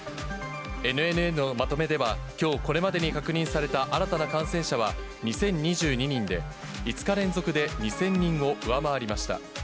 ＮＮＮのまとめでは、きょうこれまでに確認された新たな感染者は２０２２人で、５日連続で２０００人を上回りました。